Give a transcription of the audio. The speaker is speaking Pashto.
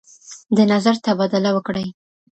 د نظر تبادله وکړئ.